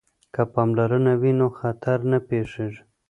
که پاملرنه وي نو خطر نه پیښیږي.